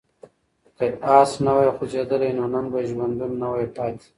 که آس نه وای خوځېدلی نو نن به ژوندی نه وای پاتې.